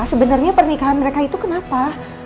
sebenarnya pernikahan mereka itu kenapa